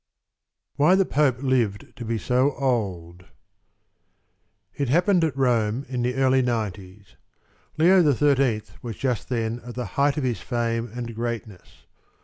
Why the Pope Lived to be so Old It happened at Rome in the early nineties. Leo XIII was just then at the height of his fame and greatness.